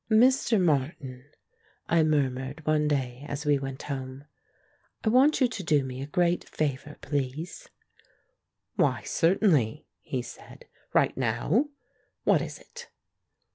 "Mr. Martin," I murmured one day as we went home, "I want you to do me a great favour, please." "Why, certainly," he said. "Right now ! What is it?"